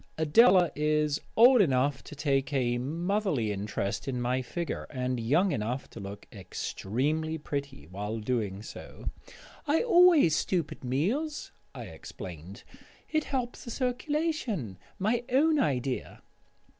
Adela is old enough to take a motherly interest in my figure, and young enough to look extremely pretty while doing so. "I always stoop at meals," I explained; "it helps the circulation. My own idea."